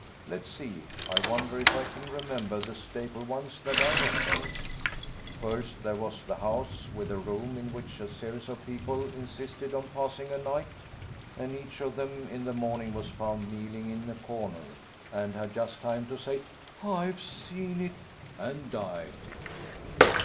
Let's see. I wonder if I can remember the staple ones that I was told. First, there was the house with a room in which a series of people insisted on passing a night; and each of them in the morning was found kneeling in a corner, and had just time to say, "I've seen it," and died.'